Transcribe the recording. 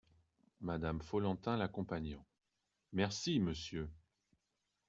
Madame Follentin l’accompagnant. — Merci, Monsieur !